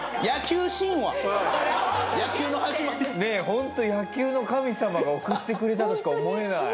本当野球の神様が贈ってくれたとしか思えない。